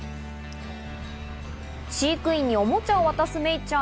飼育員におもちゃを渡すメイちゃん。